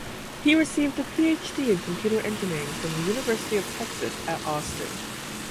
He received a Ph.D. in Computer Engineering from The University Of Texas At Austin.